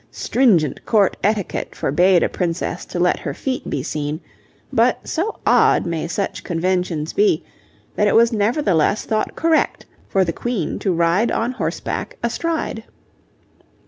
Stringent Court etiquette forbade a princess to let her feet be seen, but so odd may such conventions be, that it was nevertheless thought correct for the Queen to ride on horseback astride.